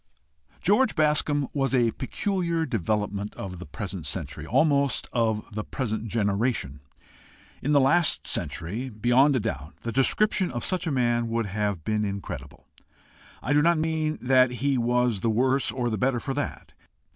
George Bascombe was a peculiar development of the present century, almost of the present generation. In the last century, beyond a doubt, the description of such a man would have been incredible. I do not mean that he was the worse or the better for that.